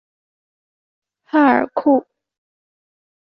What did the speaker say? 帕尔库。